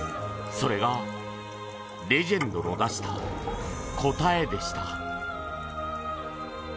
それがレジェンドの出した答えでした。